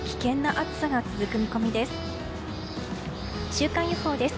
週間予報です。